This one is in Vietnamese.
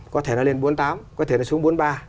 có thể nói lên bốn mươi tám có thể nó xuống bốn mươi ba